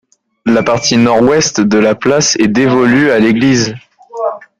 La partie nord-ouest de la place est dévolue à l'église.